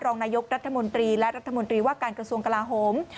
รองนายกรัฐมนตรีและรัฐมนตรีว่าการกระทรวงกลาโหม